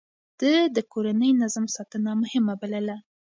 ده د کورني نظم ساتنه مهمه بلله.